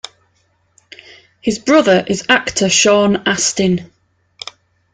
His brother is actor Sean Astin.